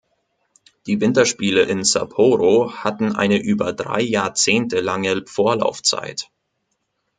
Die Winterspiele in Sapporo hatten eine über drei Jahrzehnte lange Vorlaufzeit.